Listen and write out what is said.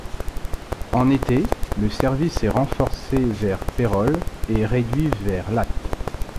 En été, le service est renforcé vers Pérols, et réduit vers Lattes.